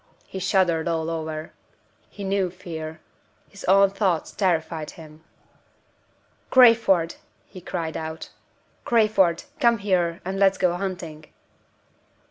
He shuddered all over. He knew fear. His own thoughts terrified him. "Crayford!" he cried out. "Crayford! come here, and let's go hunting."